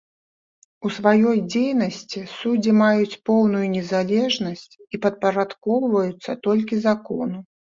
У сваёй дзейнасці суддзі маюць поўную незалежнасць і падпарадкоўваюцца толькі закону.